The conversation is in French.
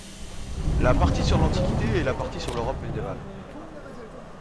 La Partie sur l'Antiquité et la partie sur l'Europe Médiévale.